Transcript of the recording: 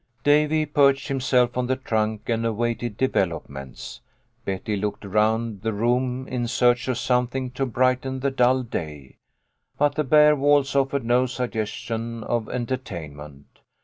Davy perched himself on the trunk and awaited developments. Betty looked around the room in search of something to brighten the dull day ; but the bare walls offered no suggestion of entertainment.